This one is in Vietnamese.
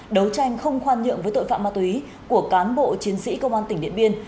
đấu tranh không khoan nhượng với tội phạm ma túy của cán bộ chiến sĩ công an tỉnh điện biên